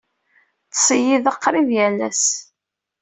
Ttṣeyyideɣ qrib yal ass.